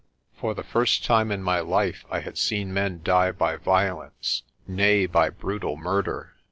For the first time in my life I had seen men die by violence nay, by brutal murder.